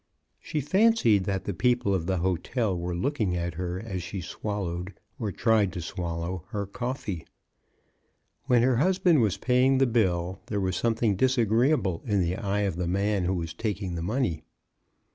She fancied that the people of the hotel were looking at her as she swallowed, or tried to swallow, her coffee. When her husband was paying the bill there was something dis agreeable in the eye of the man who was taking the money.